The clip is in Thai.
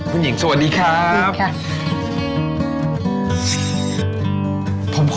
คุณหญิงสวัสดีครับสวัสดีครับสวัสดีครับ